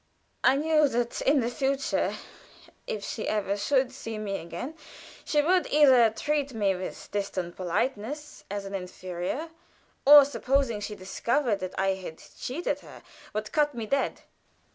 I knew that in the future, if she ever should see me again, she would either treat me with distant politeness as an inferior, or, supposing she discovered that I had cheated her, would cut me dead.